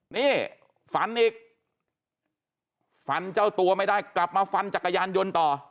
นี่ฝันอีกฝันเจ้าตัวไม่ได้กลับมาฟันจักรยานยนต์ต่อ